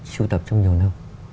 sưu tập trong nhiều năm